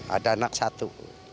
ada anak satu